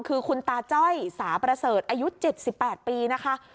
คือคุณตาจ้อยสาประเสริฐอายุ๗๘ปีนะคะ